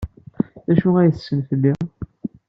D acu ay tessen fell-i?